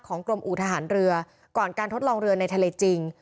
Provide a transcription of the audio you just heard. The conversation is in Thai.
กรมอู่ทหารเรือก่อนการทดลองเรือในทะเลจริง